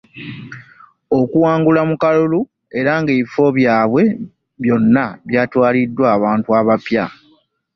Okuwangula mu kalulu era ng'ebifo byabwe byatwaliddwa abantu abapya.